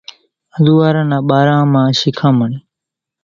انزوئارا نا ٻارا مان شيکامڻ،